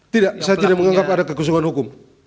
tidak saya tidak menganggap ada kekusukan hukum